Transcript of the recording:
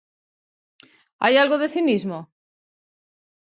¿Hai algo de cinismo?